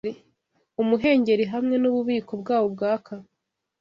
Umuhengeri hamwe nububiko bwawo bwaka